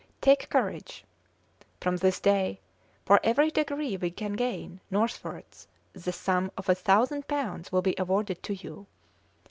Take courage. From this day, for every degree we can gain northwards the sum of a thousand pounds will be awarded to you.